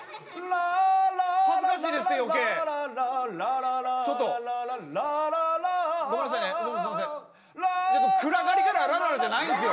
「ラララ」ちょっと暗がりから「ラララ」じゃないんですよ。